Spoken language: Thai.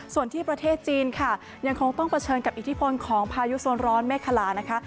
ส่วนที่ประเทศจีนค่ะยังคงต้องเผชิญกับอิทธิพลของพายุโซนร้อนเมฆคลานะคะ